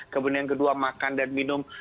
kemudian yang kedua makan dan minum